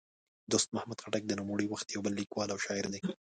دوست محمد خټک د نوموړي وخت یو بل لیکوال او شاعر دی.